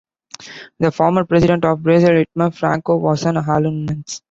The former president of Brazil Itamar Franco was an alumnus.